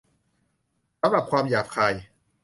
สำหรับ ความหยาบคาย ?